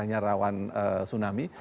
banyaknya rawan tsunami